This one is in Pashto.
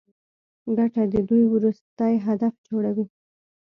ګټه د دوی وروستی هدف جوړوي